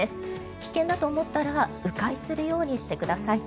危険だと思ったら迂回するようにしてください。